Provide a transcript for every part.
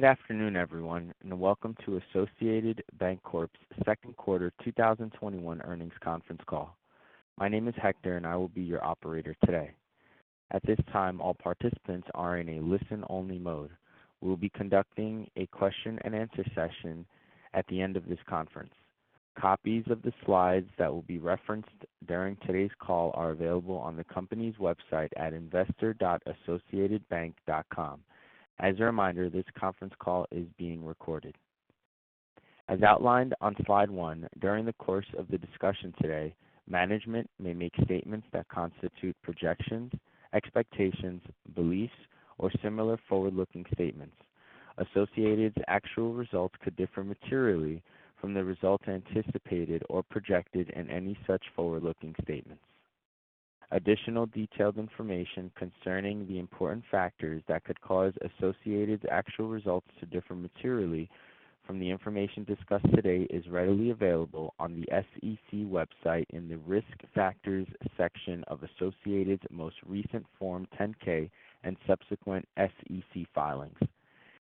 Good afternoon, everyone, and welcome to Associated Banc-Corp's Second Quarter 2021 Earnings Conference Call. My name is Hector, and I will be your operator today. At this time, all participants are in a listen-only mode. We'll be conducting a question and answer session at the end of this conference. Copies of the slides that will be referenced during today's call are available on the company's website at investor.associatedbank.com. As a reminder, this conference call is being recorded. As outlined on slide one, during the course of the discussion today, management may make statements that constitute projections, expectations, beliefs, or similar forward-looking statements. Associated's actual results could differ materially from the results anticipated or projected in any such forward-looking statements. Additional detailed information concerning the important factors that could cause Associated's actual results to differ materially from the information discussed today is readily available on the SEC website in the Risk Factors section of Associated's most recent Form 10-K and subsequent SEC filings.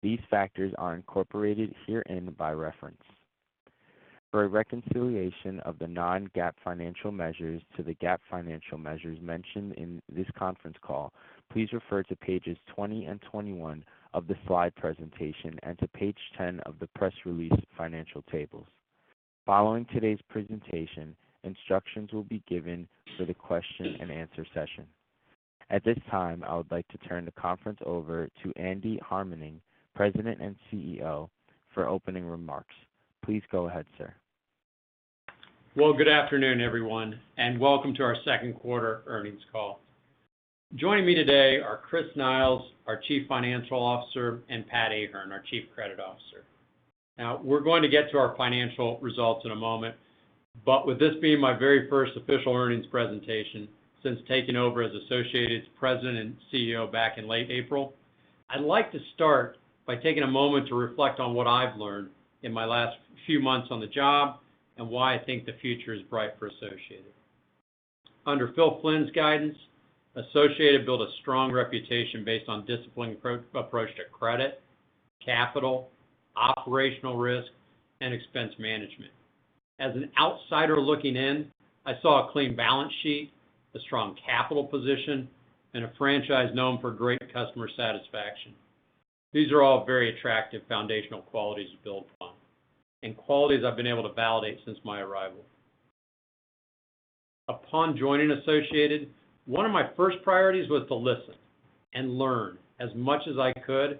These factors are incorporated herein by reference. For a reconciliation of the non-GAAP financial measures to the GAAP financial measures mentioned in this conference call, please refer to pages 20 and 21 of the slide presentation and to page 10 of the press release financial tables. Following today's presentation, instructions will be given for the question and answer session. At this time, I would like to turn the conference over to Andy Harmening, President and CEO, for opening remarks. Please go ahead, sir. Well, good afternoon, everyone, and welcome to our Second Quarter Earnings Call. Joining me today are Chris Niles, our Chief Financial Officer, and Pat Ahern, our Chief Credit Officer. We're going to get to our financial results in a moment, but with this being my very first official earnings presentation since taking over as Associated's President and CEO back in late April, I'd like to start by taking a moment to reflect on what I've learned in my last few months on the job and why I think the future is bright for Associated. Under Phil Flynn's guidance, Associated built a strong reputation based on a disciplined approach to credit, capital, operational risk, and expense management. As an outsider looking in, I saw a clean balance sheet, a strong capital position, and a franchise known for great customer satisfaction. These are all very attractive foundational qualities to build upon and qualities I've been able to validate since my arrival. Upon joining Associated, one of my first priorities was to listen and learn as much as I could,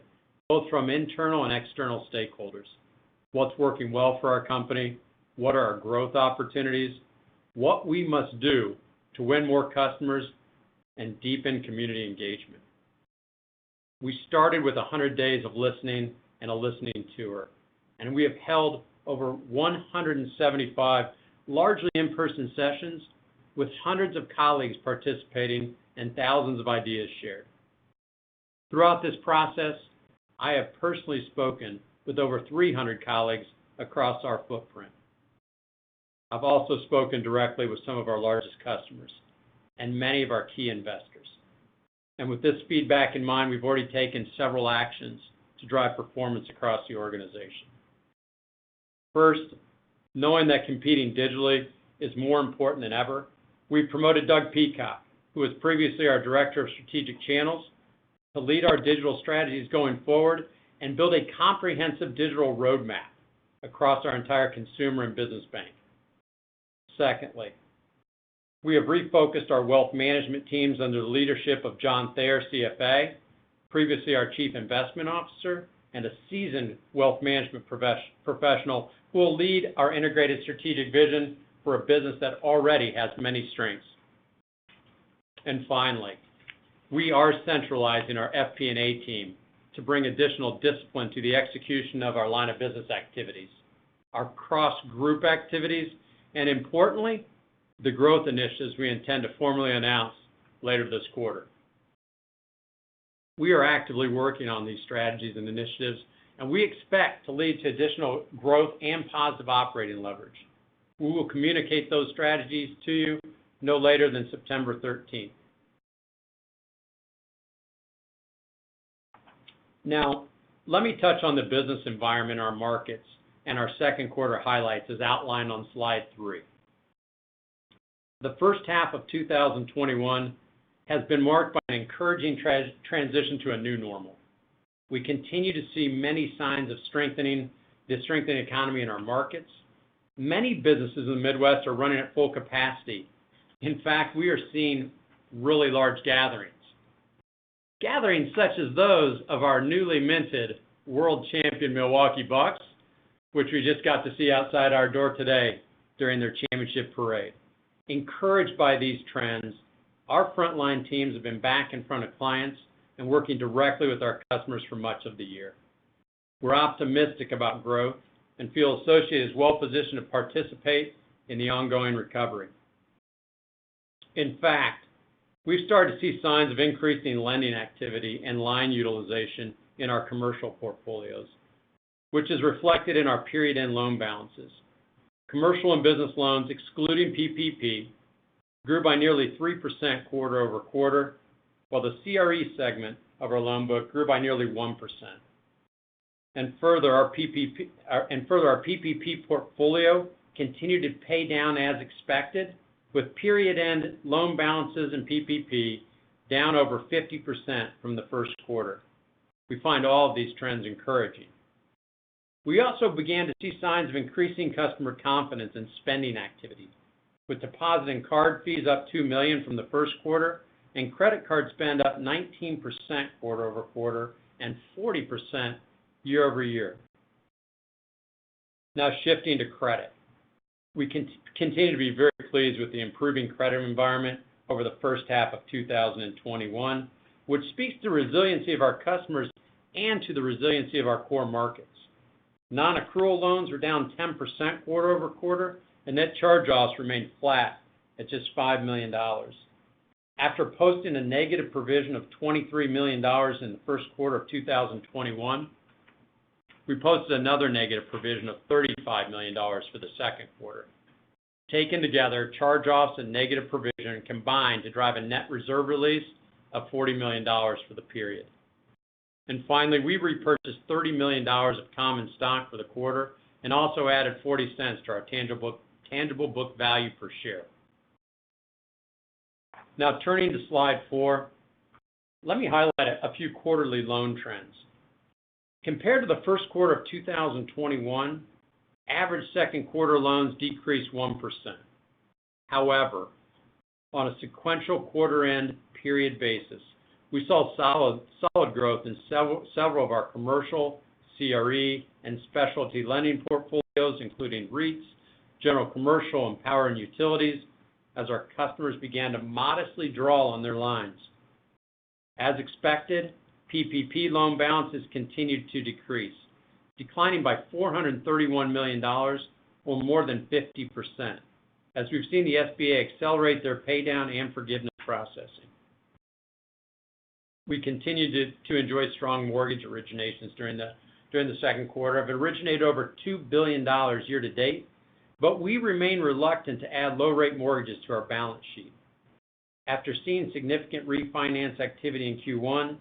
both from internal and external stakeholders. What's working well for our company, what are our growth opportunities, what we must do to win more customers and deepen community engagement. We started with 100 days of listening and a listening tour, and we have held over 175 largely in-person sessions with hundreds of colleagues participating and thousands of ideas shared. Throughout this process, I have personally spoken with over 300 colleagues across our footprint. I've also spoken directly with some of our largest customers and many of our key investors. With this feedback in mind, we've already taken several actions to drive performance across the organization. First, knowing that competing digitally is more important than ever, we promoted Doug Peacock, who was previously our director of strategic channels, to lead our digital strategies going forward and build a comprehensive digital roadmap across our entire consumer and business bank. Secondly, we have refocused our wealth management teams under the leadership of John Thayer, CFA, previously our chief investment officer and a seasoned wealth management professional, who will lead our integrated strategic vision for a business that already has many strengths. Finally, we are centralizing our FP&A team to bring additional discipline to the execution of our line of business activities, our cross-group activities, and importantly, the growth initiatives we intend to formally announce later this quarter. We are actively working on these strategies and initiatives, and we expect to lead to additional growth and positive operating leverage. We will communicate those strategies to you no later than September 13th. Let me touch on the business environment in our markets and our second quarter highlights as outlined on slide three. The first half of 2021 has been marked by an encouraging transition to a new normal. We continue to see many signs of the strengthening economy in our markets. Many businesses in the Midwest are running at full capacity. In fact, we are seeing really large gatherings such as those of our newly minted world champion Milwaukee Bucks, which we just got to see outside our door today during their championship parade. Encouraged by these trends, our frontline teams have been back in front of clients and working directly with our customers for much of the year. We're optimistic about growth and feel Associated is well positioned to participate in the ongoing recovery. In fact, we've started to see signs of increasing lending activity and line utilization in our commercial portfolios, which is reflected in our period-end loan balances. Commercial and business loans, excluding PPP grew by nearly 3% quarter-over-quarter, while the CRE segment of our loan book grew by nearly 1%. Further, our PPP portfolio continued to paydown as expected, with period-end loan balances and PPP down over 50% from the first quarter. We find all of these trends encouraging. We also began to see signs of increasing customer confidence in spending activity, with deposit and card fees up $2 million from the first quarter and credit card spend up 19% quarter-over-quarter and 40% year-over-year. Now shifting to credit. We continue to be very pleased with the improving credit environment over the first half of 2021, which speaks to resiliency of our customers and to the resiliency of our core markets. Non-accrual loans are down 10% quarter-over-quarter, and net charge-offs remained flat at just $5 million. After posting a negative provision of $23 million in the first quarter of 2021, we posted another negative provision of $35 million for the second quarter. Taken together, charge-offs and negative provision combined to drive a net reserve release of $40 million for the period. Finally, we repurchased $30 million of common stock for the quarter and also added $0.40 to our tangible book value per share. Now turning to slide four, let me highlight a few quarterly loan trends. Compared to the first quarter of 2021, average second quarter loans decreased 1%. However, on a sequential quarter end period basis, we saw solid growth in several of our commercial, CRE, and specialty lending portfolios, including REITs, general commercial, and power and utilities, as our customers began to modestly draw on their lines. As expected, PPP loan balances continued to decrease, declining by $431 million or more than 50%, as we've seen the SBA accelerate their paydown and forgiveness processing. We continued to enjoy strong mortgage originations during the second quarter, have originated over $2 billion year to date, but we remain reluctant to add low rate mortgages to our balance sheet. After seeing significant refinance activity in Q1,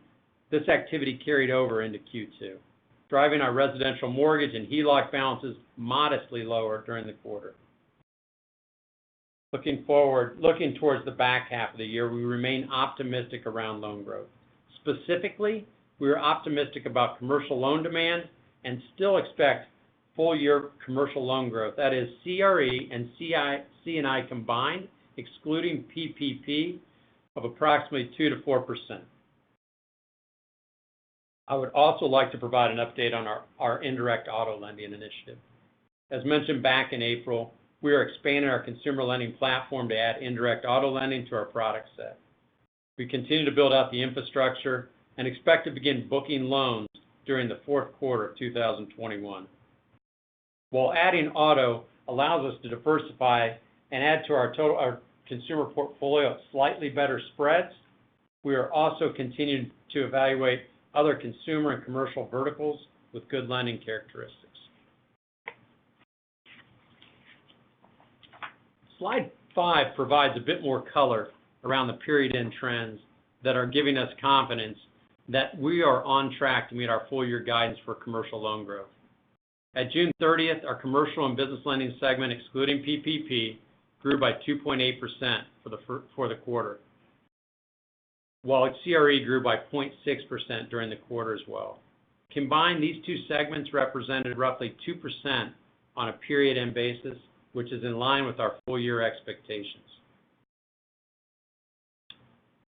this activity carried over into Q2, driving our residential mortgage and HELOC balances modestly lower during the quarter. Looking towards the back half of the year, we remain optimistic around loan growth. Specifically, we are optimistic about commercial loan demand and still expect full-year commercial loan growth, that is CRE and C&I combined, excluding PPP, of approximately 2%-4%. I would also like to provide an update on our indirect auto lending initiative. As mentioned back in April, we are expanding our consumer lending platform to add indirect auto lending to our product set. We continue to build out the infrastructure and expect to begin booking loans during the fourth quarter of 2021. While adding auto allows us to diversify and add to our consumer portfolio at slightly better spreads, we are also continuing to evaluate other consumer and commercial verticals with good lending characteristics. Slide five provides a bit more color around the period end trends that are giving us confidence that we are on track to meet our full year guidance for commercial loan growth. At June 30th, our commercial and business lending segment, excluding PPP, grew by 2.8% for the quarter, while CRE grew by 0.6% during the quarter as well. Combined, these two segments represented roughly 2% on a period end basis, which is in line with our full year expectations.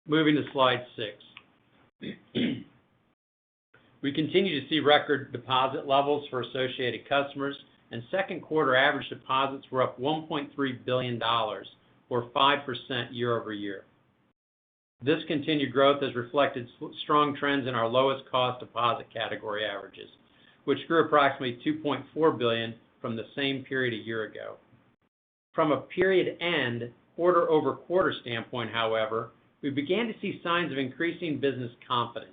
Moving to slide six. We continue to see record deposit levels for Associated customers, and second quarter average deposits were up $1.3 billion, or 5% year-over-year. This continued growth has reflected strong trends in our lowest cost deposit category averages, which grew approximately $2.4 billion from the same period a year ago. From a period end quarter-over-quarter standpoint, however, we began to see signs of increasing business confidence.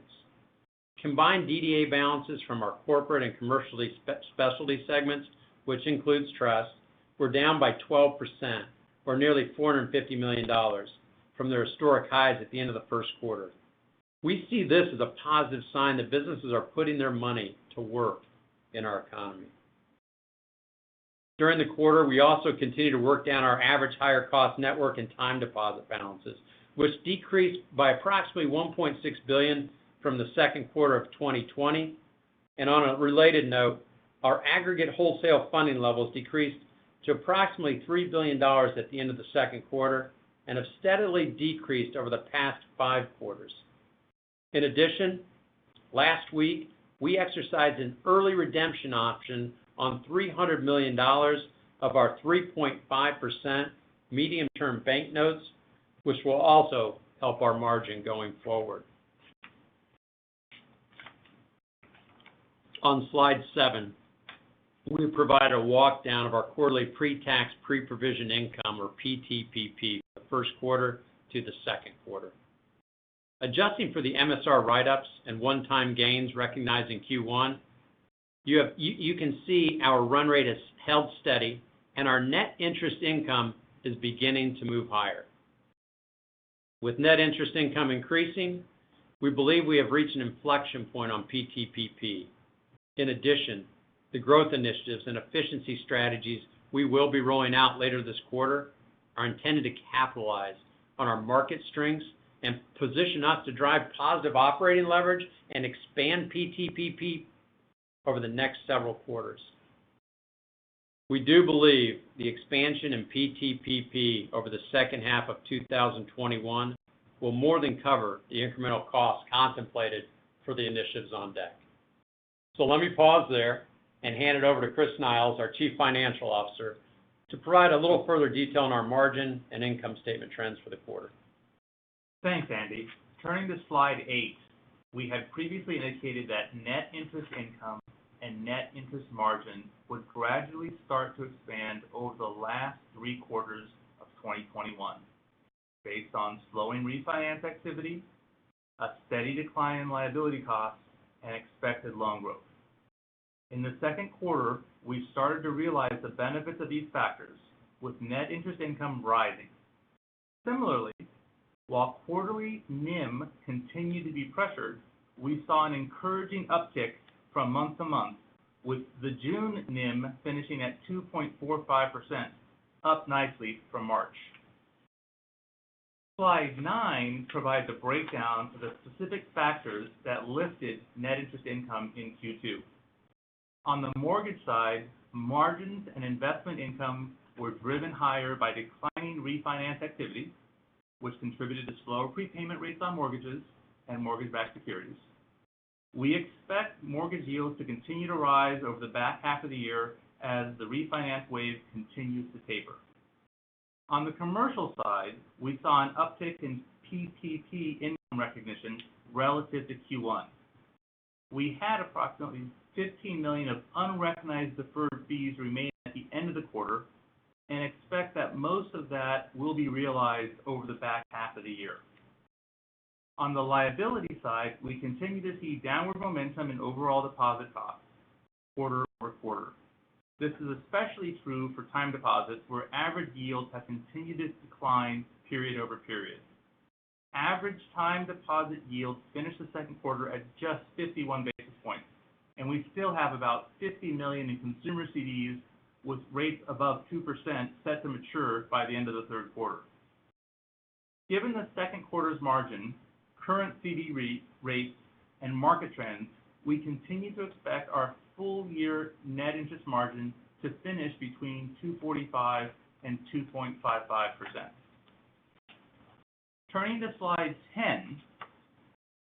Combined DDA balances from our corporate and commercial specialty segments, which includes trust, were down by 12%, or nearly $450 million from their historic highs at the end of the first quarter. We see this as a positive sign that businesses are putting their money to work in our economy. During the quarter, we also continued to work down our average higher cost network and time deposit balances, which decreased by approximately $1.6 billion from the second quarter of 2020. On a related note, our aggregate wholesale funding levels decreased to approximately $3 billion at the end of the second quarter and have steadily decreased over the past five quarters. In addition, last week, we exercised an early redemption option on $300 million of our 3.5% medium-term bank notes, which will also help our margin going forward. On slide seven, we provide a walk-down of our quarterly pre-tax, pre-provision income, or PTPP, for the first quarter to the second quarter. Adjusting for the MSR write-ups and one-time gains recognized in Q1, you can see our run rate has held steady and our net interest income is beginning to move higher. With net interest income increasing, we believe we have reached an inflection point on PTPP. In addition, the growth initiatives and efficiency strategies we will be rolling out later this quarter are intended to capitalize on our market strengths and position us to drive positive operating leverage and expand PTPP over the next several quarters. We do believe the expansion in PTPP over the second half of 2021 will more than cover the incremental costs contemplated for the initiatives on deck. Let me pause there and hand it over to Chris Niles, our Chief Financial Officer, to provide a little further detail on our margin and income statement trends for the quarter. Thanks, Andy. Turning to slide eight. We had previously indicated that net interest income and net interest margin would gradually start to expand over the last three quarters of 2021 based on slowing refinance activity, a steady decline in liability costs, and expected loan growth. In the second quarter, we started to realize the benefits of these factors, with net interest income rising. Similarly, while quarterly NIM continued to be pressured, we saw an encouraging uptick from month-to-month, with the June NIM finishing at 2.45%, up nicely from March. Slide nine provides a breakdown for the specific factors that lifted net interest income in Q2. On the mortgage side, margins and investment income were driven higher by declining refinance activity, which contributed to slower prepayment rates on mortgages and mortgage-backed securities. We expect mortgage yields to continue to rise over the back half of the year as the refinance wave continues to taper. On the commercial side, we saw an uptick in PPP income recognition relative to Q1. We had approximately $15 million of unrecognized deferred fees remaining at the end of the quarter and expect that most of that will be realized over the back half of the year. On the liability side, we continue to see downward momentum in overall deposit costs quarter-over-quarter. This is especially true for time deposits, where average yields have continued to decline period-over-period. Average time deposit yields finished the second quarter at just 51 basis points, and we still have about $50 million in consumer CDs with rates above 2% set to mature by the end of the third quarter. Given the second quarter's margin, current CD rates, and market trends, we continue to expect our full year net interest margin to finish between 2.45% and 2.55%. Turning to slide 10,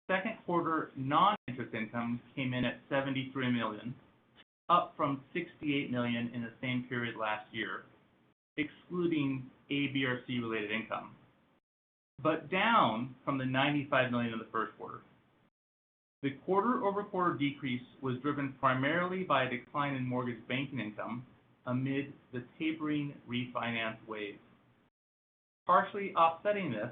second quarter non-interest income came in at $73 million, up from $68 million in the same period last year, excluding ABRC-related income, but down from the $95 million in the first quarter. The quarter-over-quarter decrease was driven primarily by a decline in mortgage banking income amid the tapering refinance wave. Partially offsetting this,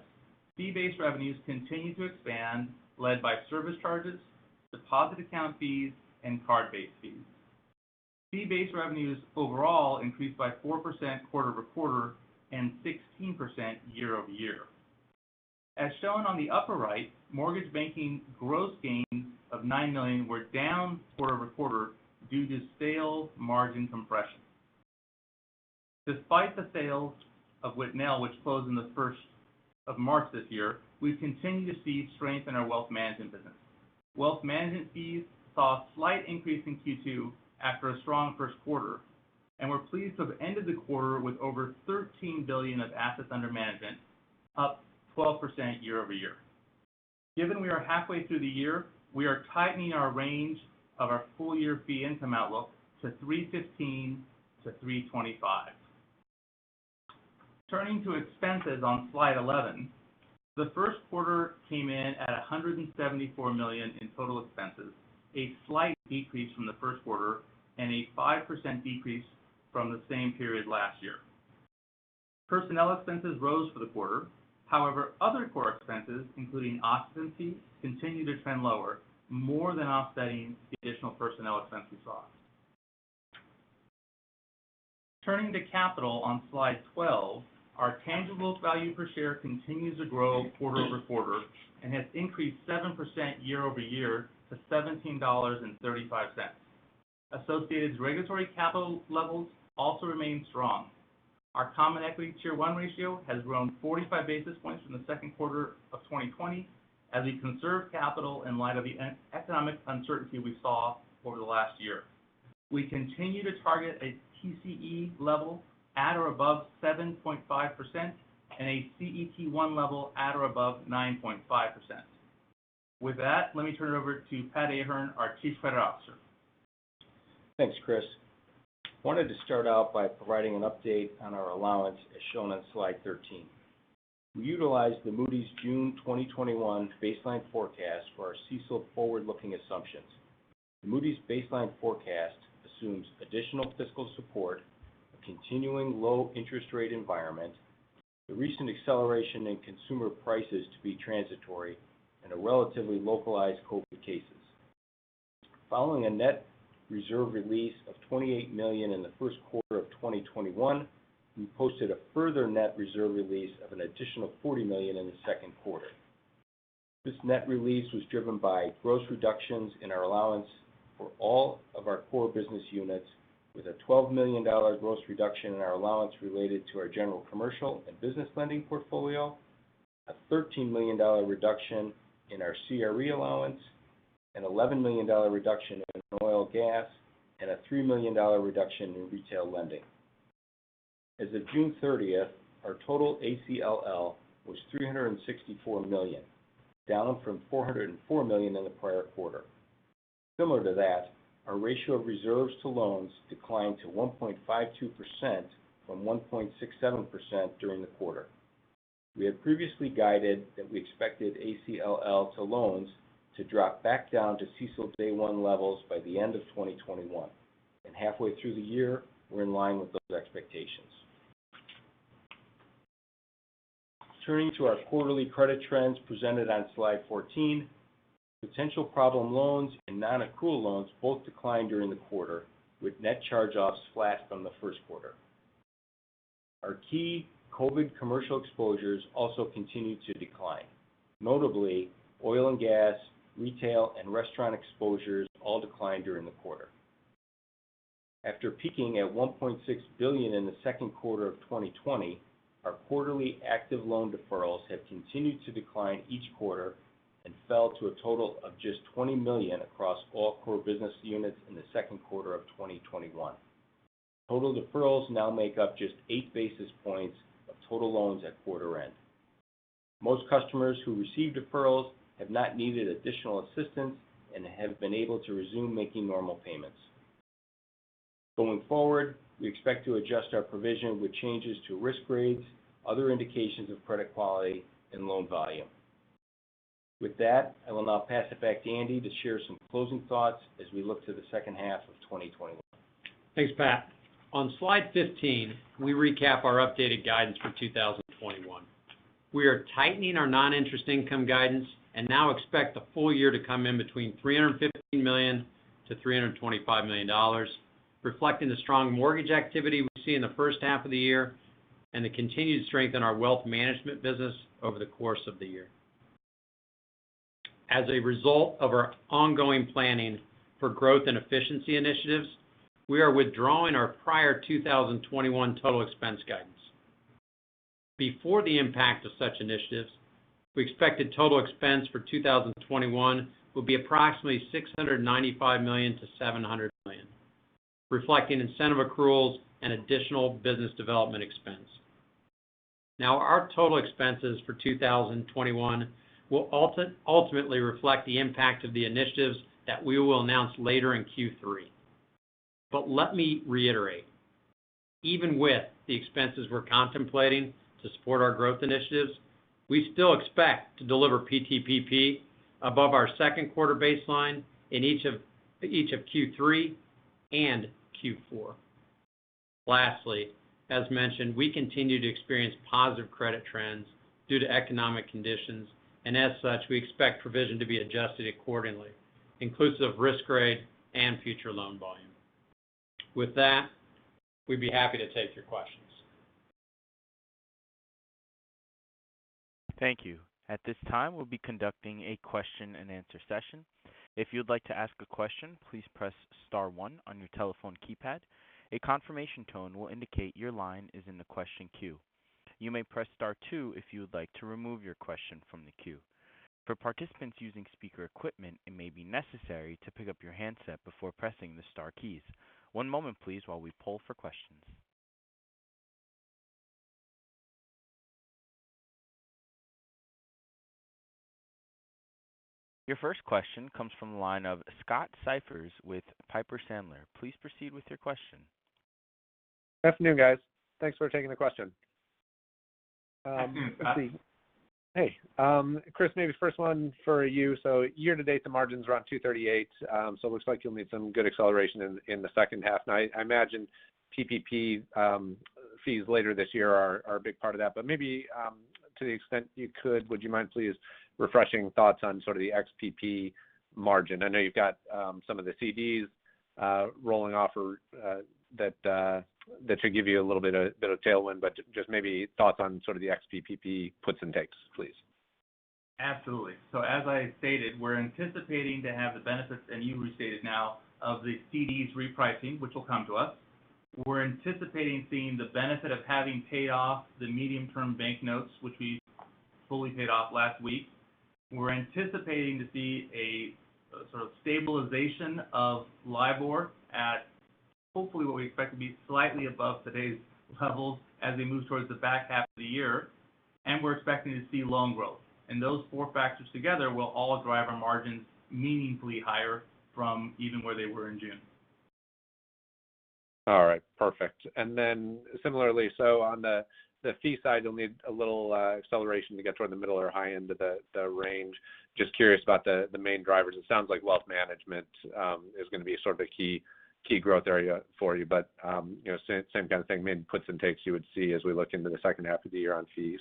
fee-based revenues continued to expand, led by service charges, deposit account fees, and card-based fees. Fee-based revenues overall increased by 4% quarter-over-quarter and 16% year-over-year. As shown on the upper right, mortgage banking gross gains of $9 million were down quarter-over-quarter due to sales margin compression. Despite the sale of Whitnell, which closed in the 1st of March this year, we continue to see strength in our wealth management business. Wealth management fees saw a slight increase in Q2 after a strong first quarter, and we're pleased to have ended the quarter with over $13 billion of assets under management, up 12% year-over-year. Given we are halfway through the year, we are tightening our range of our full-year fee income outlook to $315 million-$325 million. Turning to expenses on slide 11. The first quarter came in at $174 million in total expenses, a slight decrease from the first quarter and a 5% decrease from the same period last year. Personnel expenses rose for the quarter. Other core expenses, including occupancy, continued to trend lower, more than offsetting the additional personnel expenses loss. Turning to capital on slide 12. Our tangible value per share continues to grow quarter-over-quarter and has increased 7% year-over-year to $17.35. Associated's regulatory capital levels also remain strong. Our common equity Tier 1 ratio has grown 45 basis points from the second quarter of 2020 as we conserve capital in light of the economic uncertainty we saw over the last year. We continue to target a TCE level at or above 7.5% and a CET1 level at or above 9.5%. With that, let me turn it over to Pat Ahern, our Chief Credit Officer. Thanks, Chris. Wanted to start out by providing an update on our allowance, as shown on slide 13. We utilized the Moody's June 2021 baseline forecast for our CECL forward-looking assumptions. Moody's baseline forecast assumes additional fiscal support, a continuing low interest rate environment, the recent acceleration in consumer prices to be transitory, and a relatively localized COVID cases. Following a net reserve release of $28 million in Q1 2021, we posted a further net reserve release of an additional $40 million in Q2. This net release was driven by gross reductions in our allowance for all of our core business units, with a $12 million gross reduction in our allowance related to our general commercial and business lending portfolio, a $13 million reduction in our CRE allowance, an $11 million reduction in oil and gas, and a $3 million reduction in retail lending. As of June 30th, our total ACLL was $364 million, down from $404 million in the prior quarter. Similar to that, our ratio of reserves to loans declined to 1.52% from 1.67% during the quarter. We had previously guided that we expected ACLL to loans to drop back down to CECL day one levels by the end of 2021, and halfway through the year, we're in line with those expectations. Turning to our quarterly credit trends presented on slide 14, potential problem loans and non-accrual loans both declined during the quarter, with net charge-offs flat from the first quarter. Our key COVID commercial exposures also continued to decline. Notably, oil and gas, retail, and restaurant exposures all declined during the quarter. After peaking at $1.6 billion in the second quarter of 2020, our quarterly active loan deferrals have continued to decline each quarter and fell to a total of just $20 million across all core business units in the second quarter of 2021. Total deferrals now make up just 8 basis points of total loans at quarter end. Most customers who received deferrals have not needed additional assistance and have been able to resume making normal payments. Going forward, we expect to adjust our provision with changes to risk grades, other indications of credit quality, and loan volume. With that, I will now pass it back to Andy Harmening to share some closing thoughts as we look to the second half of 2021. Thanks, Pat. On slide 15, we recap our updated guidance for 2021. We are tightening our non-interest income guidance and now expect the full year to come in between $315 million-$325 million, reflecting the strong mortgage activity we've seen in the first half of the year and the continued strength in our wealth management business over the course of the year. As a result of our ongoing planning for growth and efficiency initiatives, we are withdrawing our prior 2021 total expense guidance. Before the impact of such initiatives, we expected total expense for 2021 will be approximately $695 million-$700 million, reflecting incentive accruals and additional business development expense. Our total expenses for 2021 will ultimately reflect the impact of the initiatives that we will announce later in Q3. Let me reiterate, even with the expenses we're contemplating to support our growth initiatives, we still expect to deliver PTPP above our second quarter baseline in each of Q3 and Q4. Lastly, as mentioned, we continue to experience positive credit trends due to economic conditions, and as such, we expect provision to be adjusted accordingly, inclusive of risk grade and future loan volume. With that, we'd be happy to take your questions. Thank you. At this time, we'll be conducting a question and answer session. If you'd like to ask a question, please press star one on your telephone keypad. A confirmation tone will indicate your line is in the question queue. You may press star two if you would like to remove your question from the queue. For participants using speaker equipment, it may be necessary to pick up your handset before pressing the star keys. One moment, please, while we poll for questions. Your first question comes from the line of Scott Siefers with Piper Sandler. Please proceed with your question. Good afternoon, guys. Thanks for taking the question. Afternoon, Scott. Hey. Chris, maybe the 1st one's for you. Year to date, the margin's around 238, so it looks like you'll need some good acceleration in the second half. Now, I imagine PPP fees later this year are a big part of that. Maybe to the extent you could, would you mind please refreshing thoughts on sort of the ex-PPP margin? I know you've got some of the CDs rolling off that should give you a little bit of tailwind, but just maybe thoughts on sort of the ex-PPP puts and takes, please. Absolutely. As I stated, we're anticipating to have the benefits, and you restated now, of the CDs repricing, which will come to us. We're anticipating seeing the benefit of having paid off the medium-term bank notes, which we fully paid off last week. We're anticipating to see a sort of stabilization of LIBOR at hopefully what we expect to be slightly above today's levels as we move towards the back half of the year. We're expecting to see loan growth. Those four factors together will all drive our margins meaningfully higher from even where they were in June. All right, perfect. Similarly, on the fee side, you'll need a little acceleration to get toward the middle or high end of the range. Just curious about the main drivers. It sounds like wealth management is going to be sort of the key growth area for you. Same kind of thing, maybe puts and takes you would see as we look into the second half of the year on fees.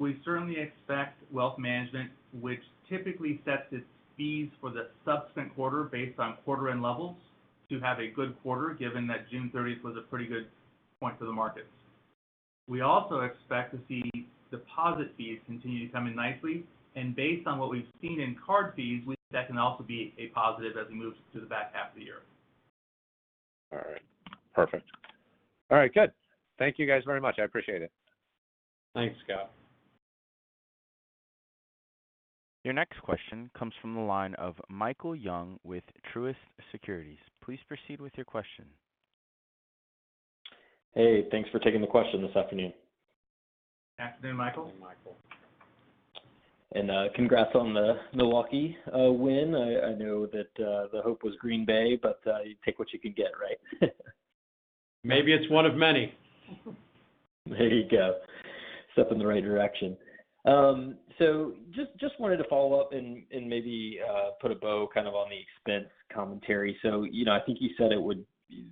We certainly expect wealth management, which typically sets its fees for the subsequent quarter based on quarter end levels, to have a good quarter, given that June 30th was a pretty good point for the markets. We also expect to see deposit fees continue to come in nicely, and based on what we've seen in card fees, we think that can also be a positive as we move to the back half of the year. All right. Perfect. All right, good. Thank you guys very much. I appreciate it. Thanks, Scott. Your next question comes from the line of Michael Young with Truist Securities. Please proceed with your question. Hey, thanks for taking the question this afternoon. Afternoon, Michael. Good afternoon, Michael. Congrats on the Milwaukee win. I know that the hope was Green Bay, but you take what you can get, right? Maybe it's one of many. There you go. Step in the right direction. Just wanted to follow up and maybe put a bow kind of on the expense commentary. I think you said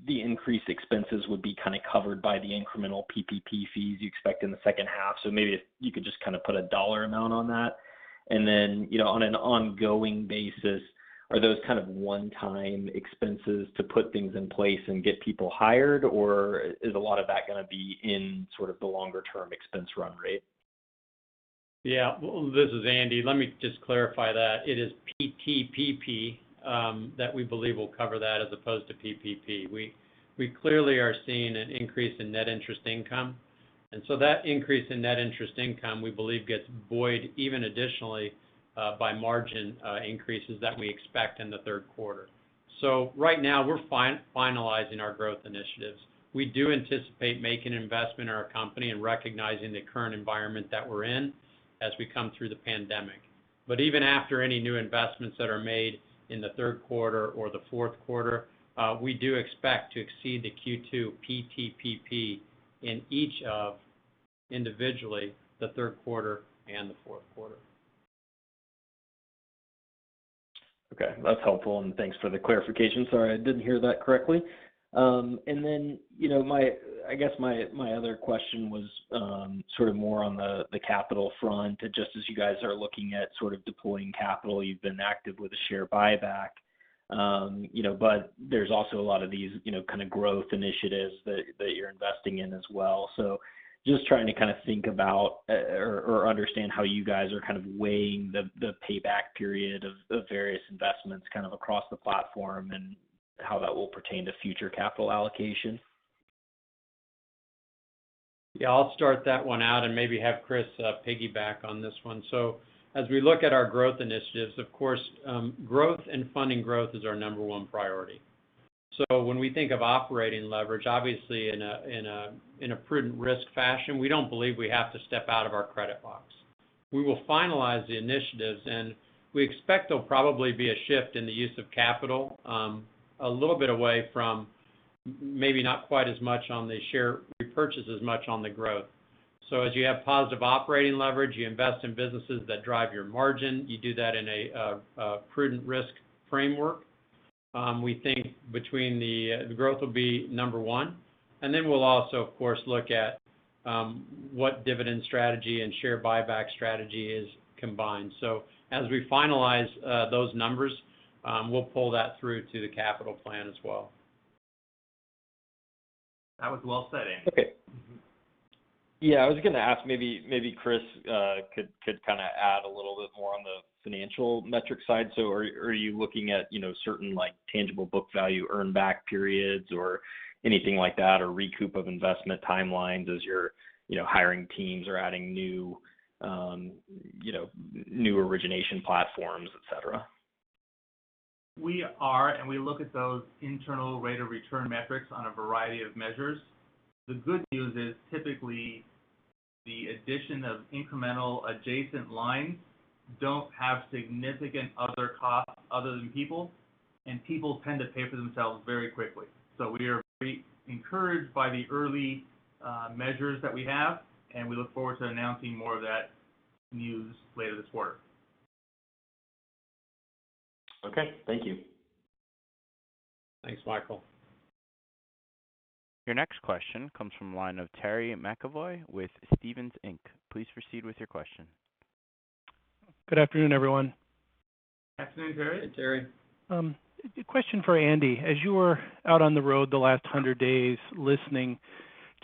the increased expenses would be kind of covered by the incremental PPP fees you expect in the second half. Maybe if you could just kind of put a dollar amount on that. On an ongoing basis, are those kind of one-time expenses to put things in place and get people hired, or is a lot of that going to be in sort of the longer-term expense run rate? This is Andy. Let me just clarify that. It is PTPP that we believe will cover that as opposed to PPP. We clearly are seeing an increase in net interest income, that increase in net interest income, we believe, gets void even additionally by margin increases that we expect in the third quarter. Right now, we're finalizing our growth initiatives. We do anticipate making an investment in our company and recognizing the current environment that we're in as we come through the pandemic. Even after any new investments that are made in the third quarter or the fourth quarter, we do expect to exceed the Q2 PTPP in each of, individually, the third quarter and the fourth quarter. Okay, that's helpful, and thanks for the clarification. Sorry, I didn't hear that correctly. Then I guess my other question was sort of more on the capital front. Just as you guys are looking at sort of deploying capital, you've been active with a share buyback. There's also a lot of these kind of growth initiatives that you're investing in as well. Just trying to kind of think about or understand how you guys are kind of weighing the payback period of the various investments kind of across the platform and how that will pertain to future capital allocation. Yeah, I'll start that one out and maybe have Chris piggyback on this one. As we look at our growth initiatives, of course, growth and funding growth is our number one priority. When we think of operating leverage, obviously in a prudent risk fashion, we don't believe we have to step out of our credit box. We will finalize the initiatives, and we expect there'll probably be a shift in the use of capital, a little bit away from maybe not quite as much on the share repurchase as much on the growth. As you have positive operating leverage, you invest in businesses that drive your margin. You do that in a prudent risk framework. We think between the growth will be number one, and then we'll also, of course, look at what dividend strategy and share buyback strategy is combined. As we finalize those numbers, we'll pull that through to the capital plan as well. That was well said, Andy. I was going to ask, maybe Chris could kind of add a little bit more on the financial metrics side. Are you looking at certain tangible book value earn back periods or anything like that, or recoup of investment timelines as you're hiring teams or adding new origination platforms, et cetera? We are, and we look at those internal rate of return metrics on a variety of measures. The good news is, typically, the addition of incremental adjacent lines don't have significant other costs other than people, and people tend to pay for themselves very quickly. We are very encouraged by the early measures that we have, and we look forward to announcing more of that news later this quarter. Okay. Thank you. Thanks, Michael. Your next question comes from the line of Terry McEvoy with Stephens Inc Please proceed with your question. Good afternoon, everyone. Afternoon, Terry. Hey, Terry. A question for Andy. As you were out on the road the last 100 days listening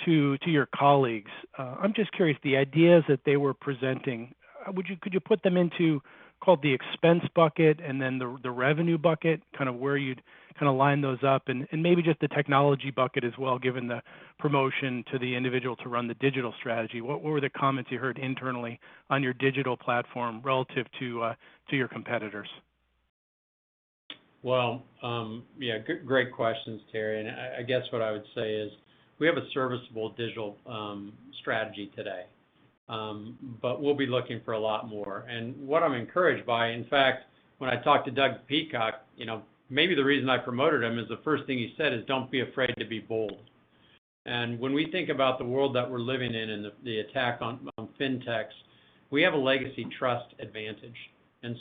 to your colleagues, I'm just curious, the ideas that they were presenting, could you put them into, call it the expense bucket and then the revenue bucket, kind of where you'd kind of line those up and maybe just the technology bucket as well, given the promotion to the individual to run the digital strategy? What were the comments you heard internally on your digital platform relative to your competitors? Yeah, great questions, Terry. I guess what I would say is we have a serviceable digital strategy today. But we'll be looking for a lot more. What I'm encouraged by, in fact, when I talked to Doug Peacock, maybe the reason I promoted him is the first thing he said is, "Don't be afraid to be bold." When we think about the world that we're living in and the attack on fintechs, we have a legacy trust advantage.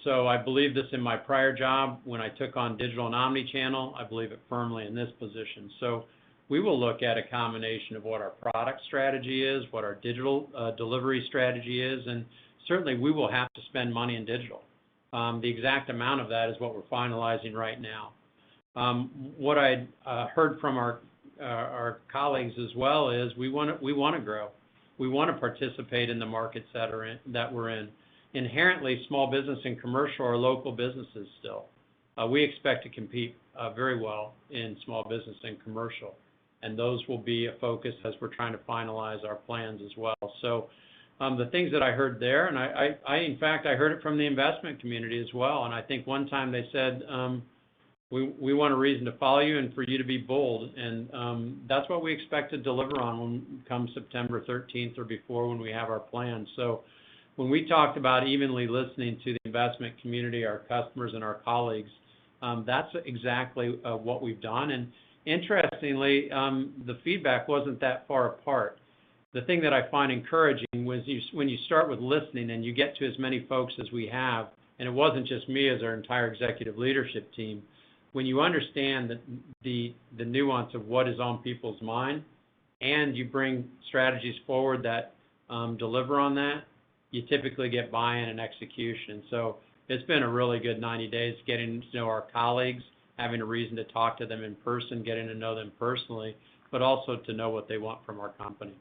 I believed this in my prior job when I took on digital and omni-channel. I believe it firmly in this position. We will look at a combination of what our product strategy is, what our digital delivery strategy is, and certainly we will have to spend money in digital. The exact amount of that is what we're finalizing right now. What I'd heard from our colleagues as well is we want to grow. We want to participate in the markets that we're in. Inherently, small business and commercial are local businesses still. We expect to compete very well in small business and commercial, and those will be a focus as we're trying to finalize our plans as well. The things that I heard there, and in fact, I heard it from the investment community as well, and I think one time they said, "We want a reason to follow you and for you to be bold." That's what we expect to deliver on come September 13th or before when we have our plan. When we talked about evenly listening to the investment community, our customers, and our colleagues, that's exactly what we've done. Interestingly, the feedback wasn't that far apart. The thing that I find encouraging was when you start with listening and you get to as many folks as we have, and it wasn't just me, it was our entire executive leadership team. When you understand the nuance of what is on people's mind and you bring strategies forward that deliver on that, you typically get buy-in and execution. It's been a really good 90 days getting to know our colleagues, having a reason to talk to them in person, getting to know them personally, but also to know what they want from our company.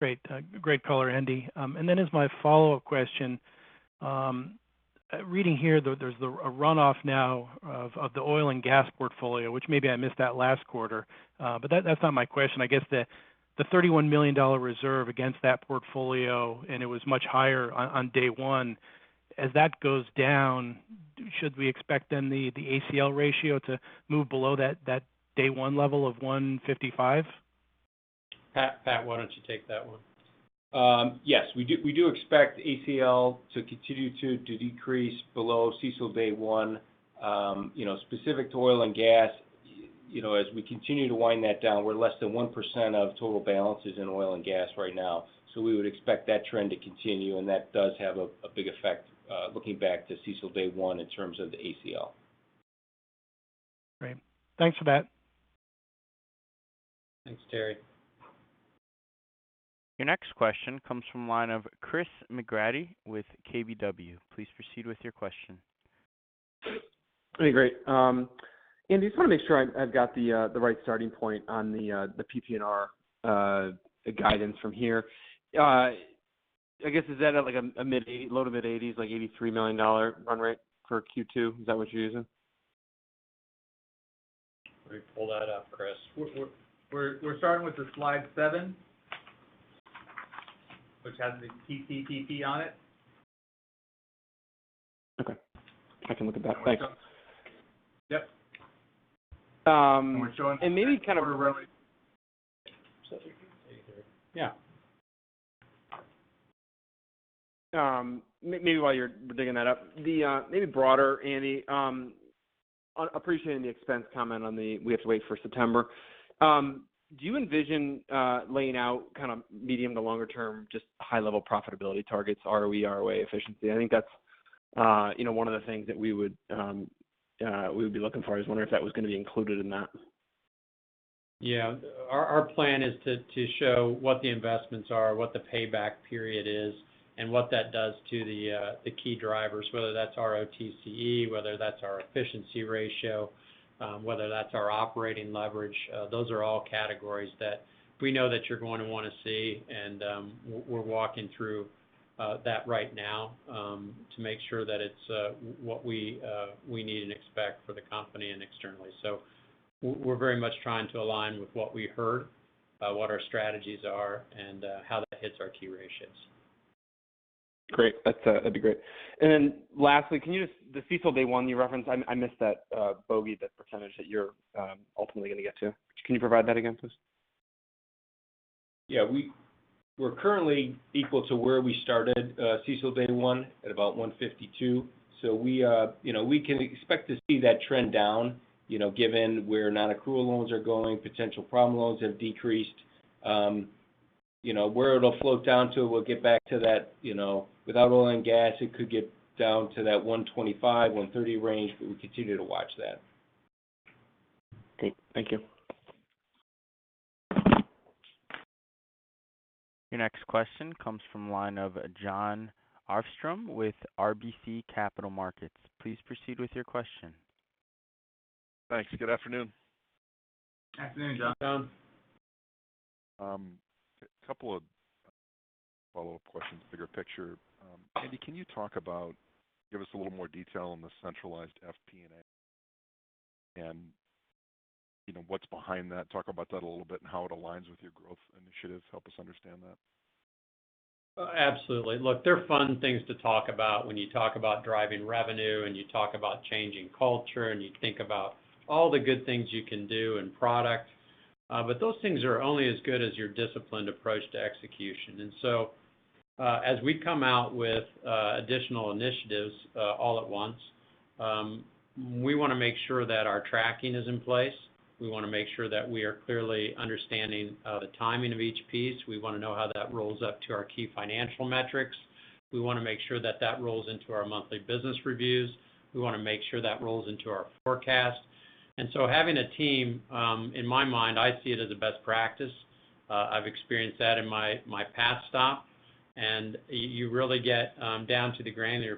Great. Great color, Andy. As my follow-up question, reading here, there's a runoff now of the oil and gas portfolio, which maybe I missed that last quarter. That's not my question. I guess the $31 million reserve against that portfolio, and it was much higher on day one. As that goes down, should we expect then the ACL ratio to move below that day one level of 135? Pat, why don't you take that one? Yes, we do expect ACL to continue to decrease below CECL day one. Specific to oil and gas, as we continue to wind that down, we're less than 1% of total balances in oil and gas right now. We would expect that trend to continue, and that does have a big effect looking back to CECL day one in terms of the ACL. Great. Thanks for that. Thanks, Terry. Your next question comes from the line of Chris McGratty with KBW. Please proceed with your question. Great. Andy, just want to make sure I've got the right starting point on the PTPP guidance from here. I guess, is that at a low to mid-80s, like $83 million run rate for Q2? Is that what you're using? Let me pull that up, Chris. We're starting with the slide seven which has the PTPP on it. Okay. I can look at that. Thanks. Yep. And maybe kind of- We're showing that. Yeah. Maybe while you're digging that up. Maybe broader, Andy. Appreciating the expense comment on the we have to wait for September. Do you envision laying out medium to longer term, just high-level profitability targets, ROE, ROA efficiency? I think that's one of the things that we would be looking for. I was wondering if that was going to be included in that. Yeah. Our plan is to show what the investments are, what the payback period is, and what that does to the key drivers, whether that's our ROTCE, whether that's our efficiency ratio, whether that's our operating leverage. Those are all categories that we know that you're going to want to see, and we're walking through that right now to make sure that it's what we need and expect for the company and externally. We're very much trying to align with what we heard, what our strategies are, and how that hits our key ratios. Great. That'd be great. Lastly, the CECL day one you referenced, I missed that bogey, that percentage that you're ultimately going to get to. Can you provide that again, please? We're currently equal to where we started CECL day one at about 152. We can expect to see that trend down, given where non-accrual loans are going, potential problem loans have decreased. Where it'll float down to, we'll get back to that. Without oil and gas, it could get down to that 125-130 range, but we continue to watch that. Great. Thank you. Your next question comes from the line of Jon Arfstrom with RBC Capital Markets. Please proceed with your question. Thanks. Good afternoon. Afternoon, John. A couple of follow-up questions, bigger picture. Andy, can you give us a little more detail on the centralized FP&A and what's behind that? Talk about that a little bit and how it aligns with your growth initiatives. Help us understand that. Absolutely. Look, they're fun things to talk about when you talk about driving revenue and you talk about changing culture, and you think about all the good things you can do in product. Those things are only as good as your disciplined approach to execution. As we come out with additional initiatives all at once, we want to make sure that our tracking is in place. We want to make sure that we are clearly understanding the timing of each piece. We want to know how that rolls up to our key financial metrics. We want to make sure that that rolls into our monthly business reviews. We want to make sure that rolls into our forecast. Having a team, in my mind, I see it as a best practice. I've experienced that in my past stop, and you really get down to the granular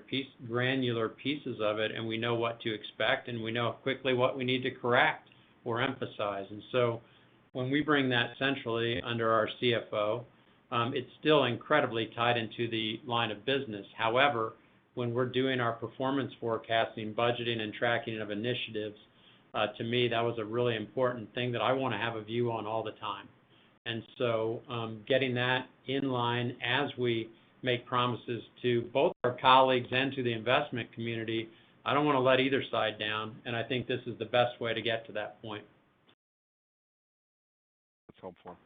pieces of it, and we know what to expect, and we know quickly what we need to correct or emphasize. When we bring that centrally under our CFO, it's still incredibly tied into the line of business. However, when we're doing our performance forecasting, budgeting, and tracking of initiatives, to me, that was a really important thing that I want to have a view on all the time. Getting that in line as we make promises to both our colleagues and to the investment community, I don't want to let either side down, and I think this is the best way to get to that point. That's helpful.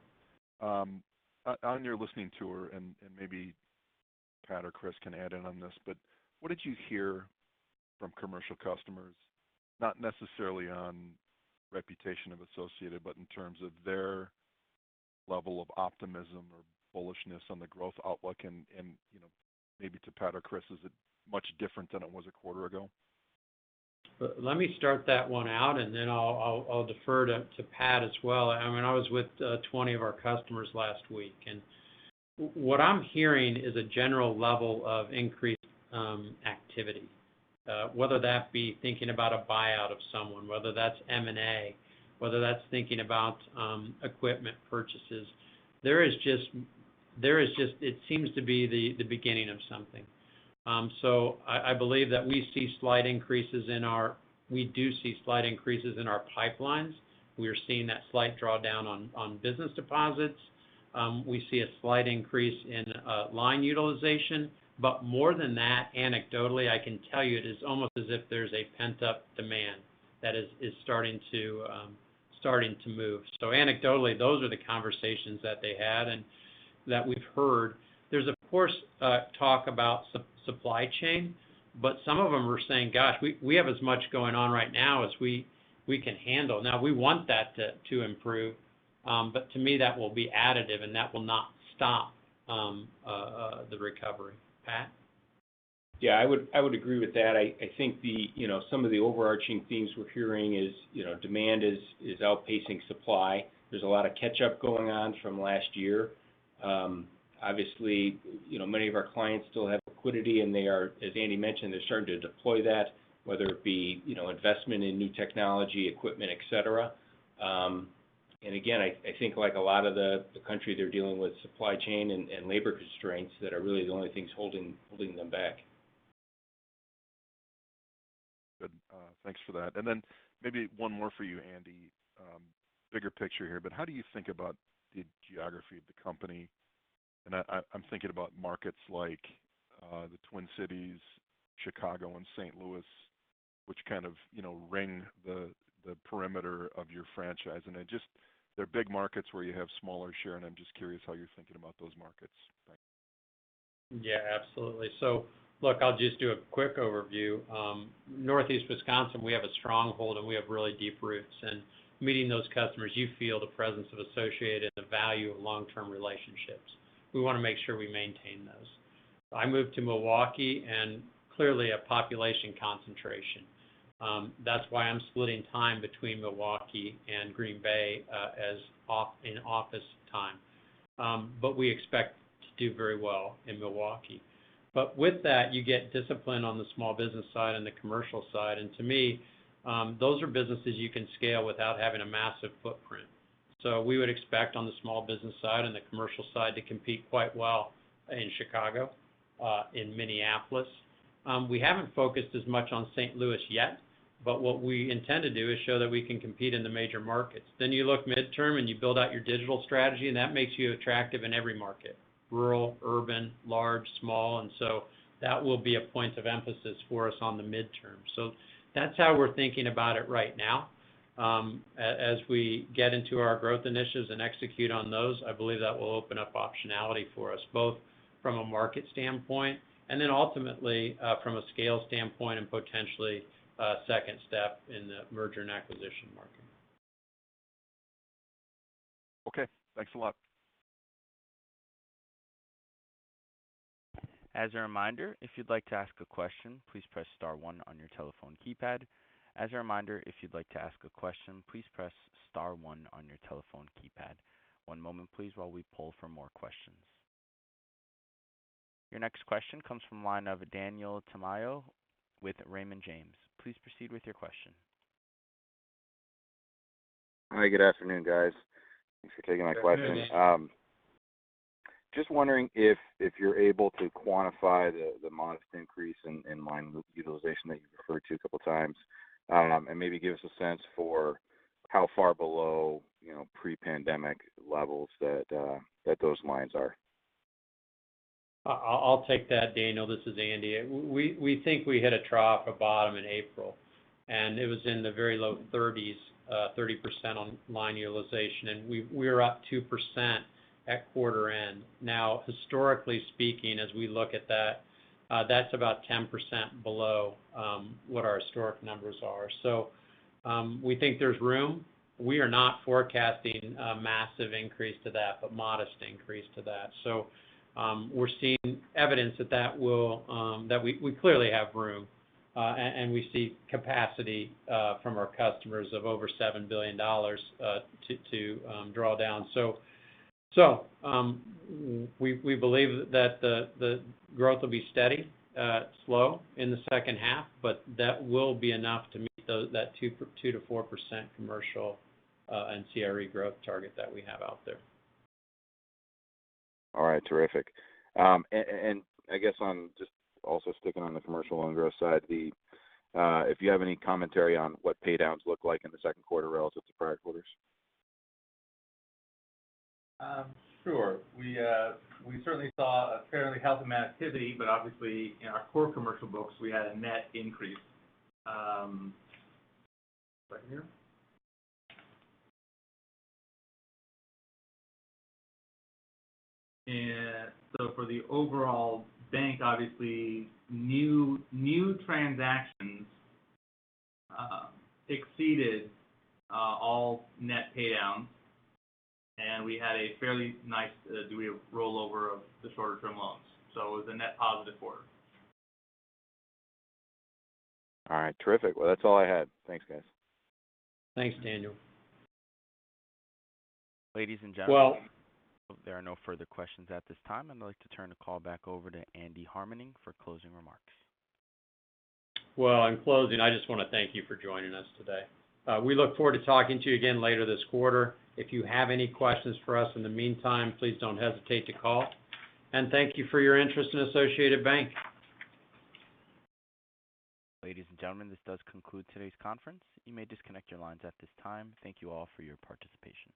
On your listening tour, and maybe Pat or Chris can add in on this, but what did you hear from commercial customers, not necessarily on reputation of Associated, but in terms of their level of optimism or bullishness on the growth outlook and, maybe to Pat or Chris, is it much different than it was a quarter ago? Let me start that one out, and then I'll defer to Pat as well. I was with 20 of our customers last week, and what I'm hearing is a general level of increased activity. Whether that be thinking about a buyout of someone, whether that's M&A, whether that's thinking about equipment purchases. It seems to be the beginning of something. I believe that we do see slight increases in our pipelines. We are seeing that slight drawdown on business deposits. We see a slight increase in line utilization. More than that, anecdotally, I can tell you it is almost as if there's a pent-up demand that is starting to move. Anecdotally, those are the conversations that they had and that we've heard. There's, of course, talk about supply chain, but some of them are saying, "Gosh, we have as much going on right now as we can handle." We want that to improve. To me, that will be additive, and that will not stop the recovery. Pat? Yeah, I would agree with that. I think some of the overarching themes we're hearing is demand is outpacing supply. There's a lot of catch-up going on from last year. Obviously, many of our clients still have liquidity, and they are, as Andy Harmening mentioned, they're starting to deploy that, whether it be investment in new technology, equipment, et cetera. Again, I think like a lot of the country, they're dealing with supply chain and labor constraints that are really the only things holding them back. Good. Thanks for that. Maybe one more for you, Andy. Bigger picture here, but how do you think about the geography of the company? I'm thinking about markets like the Twin Cities, Chicago, and St. Louis, which kind of ring the perimeter of your franchise. They're big markets where you have smaller share, and I'm just curious how you're thinking about those markets. Thanks. Yeah, absolutely. Look, I'll just do a quick overview. Northeast Wisconsin, we have a stronghold, and we have really deep roots. Meeting those customers, you feel the presence of Associated and the value of long-term relationships. We want to make sure we maintain those. I moved to Milwaukee, and clearly a population concentration. That's why I'm splitting time between Milwaukee and Green Bay as in-office time. We expect to do very well in Milwaukee. With that, you get discipline on the small business side and the commercial side. To me, those are businesses you can scale without having a massive footprint. We would expect on the small business side and the commercial side to compete quite well in Chicago, in Minneapolis. We haven't focused as much on St. Louis yet, but what we intend to do is show that we can compete in the major markets. You look midterm, and you build out your digital strategy, and that makes you attractive in every market: rural, urban, large, small. That will be a one point of emphasis for us on the midterm. That's how we're thinking about it right now. As we get into our growth initiatives and execute on those, I believe that will open up optionality for us, both from a market standpoint and then ultimately from a scale standpoint and potentially a 2nd step in the merger and acquisition market. Okay. Thanks a lot. As a reminder if you like to ask a question please press star one on your telephone keypad. One moment, please, while we poll for more questions. Your next question comes from the line of Daniel Tamayo with Raymond James. Please proceed with your question. Hi, good afternoon, guys. Thanks for taking my question. Good afternoon. Just wondering if you're able to quantify the modest increase in line utilization that you referred to two times. Maybe give us a sense for how far below pre-pandemic levels that those lines are. I'll take that, Daniel. This is Andy. We think we hit a trough, a bottom in April, and it was in the very low 30s, 30% on line utilization, and we are up 2% at quarter end. Historically speaking, as we look at that's about 10% below what our historic numbers are. We think there's room. We are not forecasting a massive increase to that, but modest increase to that. We're seeing evidence that we clearly have room, and we see capacity from our customers of over $7 billion to draw down. We believe that the growth will be steady, slow in the second half, but that will be enough to meet that 2%-4% commercial and CRE growth target that we have out there. All right. Terrific. I guess on just also sticking on the commercial loan growth side, if you have any commentary on what paydowns look like in the second quarter relative to prior quarters? Sure. We certainly saw a fairly healthy amount of activity, but obviously in our core commercial books, we had a net increase. Right here. For the overall bank, obviously new transactions exceeded all net paydowns, and we had a fairly nice degree of rollover of the shorter-term loans. It was a net positive quarter. All right. Terrific. Well, that's all I had. Thanks, guys. Thanks, Daniel. Ladies and gentlemen. Well- If there are no further questions at this time, I'd like to turn the call back over to Andy Harmening for closing remarks. In closing, I just want to thank you for joining us today. We look forward to talking to you again later this quarter. If you have any questions for us in the meantime, please don't hesitate to call, and thank you for your interest in Associated Bank. Ladies and gentlemen, this does conclude today's conference. You may disconnect your lines at this time. Thank you all for your participation.